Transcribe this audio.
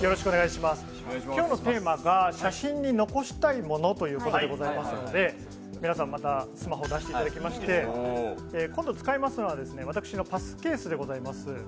今日のテーマが写真に残したいものということでございますので皆さん、またスマホを出していただきまして今度使いますのは、私のパスケースでございます。